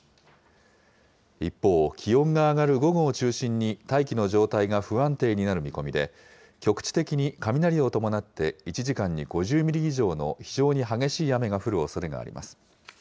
一方、気温が上がる午後を中心に、大気の状態が不安定になる見込みで、局地的に雷を伴って１時間に５０ミリ以上の非常に激しい雨が降るおそれがあります。